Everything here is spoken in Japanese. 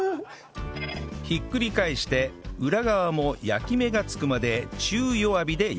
ひっくり返して裏側も焼き目がつくまで中弱火で焼いたら